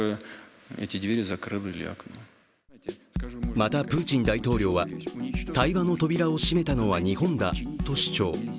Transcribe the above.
また、プーチン大統領は対話の扉を閉めたのは日本だと主張。